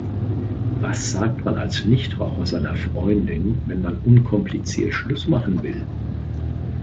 Was sagt man als Nichtraucher seiner Freundin, wenn man unkompliziert Schluss machen will?